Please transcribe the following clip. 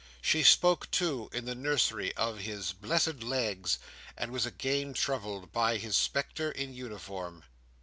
She spoke, too, in the nursery, of his "blessed legs," and was again troubled by his spectre in uniform.